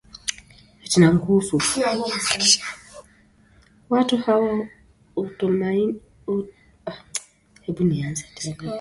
Watu hawa hutumaini bei kuongezeka, kupitia tathmini hii inayofanywa na Mamlaka ya Udhibiti wa Nishati na Petroli.